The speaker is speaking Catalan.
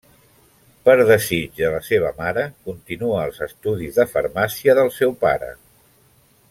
Per desig de la seva mare continua els estudis de farmàcia del seu pare.